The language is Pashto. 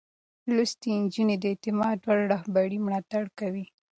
لوستې نجونې د اعتماد وړ رهبرۍ ملاتړ کوي.